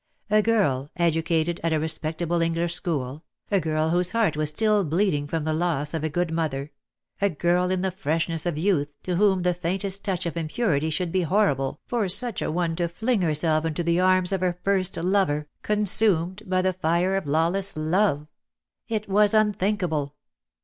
A girl, educated at a respectable English school, a girl whose heart was still bleeding from the loss of a good mother, a girl in the freshness of youth, to whom the faintest touch of impurity should be horrible, for such an one to fling herself into the arms of her first 44 DEAD LOVE HAS CHAINS. lover, consumed by the fire of lawless love! It was unthinkable.